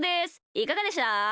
いかがでした？